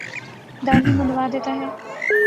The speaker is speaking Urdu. داڑھی منڈوا دیتا ہے۔